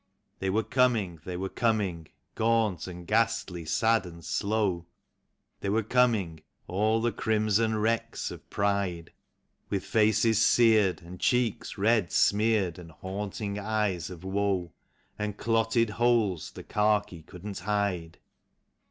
They were coming, they were coming, gaunt and ghastly, sad and slow; They were coming, all the crimson wrecks of pride; With faces seared, and cheeks red smeared, and haunt ing eyes of woe, And clotted holes the khaki couldn't hide.